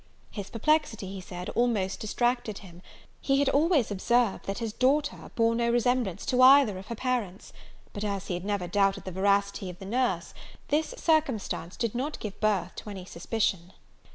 His perplexity, he said, almost distracted him: he had always observed, that his daughter bore no resemblance to either of her parents; but, as he had never doubted the veracity of the nurse, this circumstance did not give birth to any suspicion.